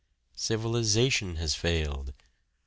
Civilization has failed.